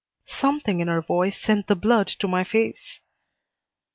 Something in her voice sent the blood to my face.